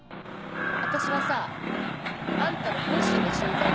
私はさあんたの本心が知りたいんだよ。